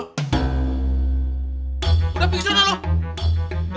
udah pergi sana loh